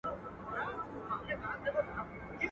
د زوم خاوره د خسر له سره اخيسته کېږي.